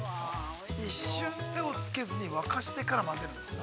◆一瞬でもつけずに沸かしてから混ぜるんですね。